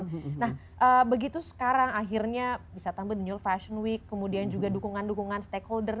nah begitu sekarang akhirnya bisa tampil the new fashion week kemudian juga dukungan dukungan stakeholder